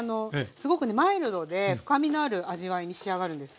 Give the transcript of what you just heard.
すごくねマイルドで深みのある味わいに仕上がるんです。